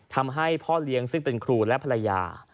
ทำให้พ่อเลี้ยงซึ่งเป็นครูและภรรยา